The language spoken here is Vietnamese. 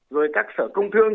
rồi các sở công thương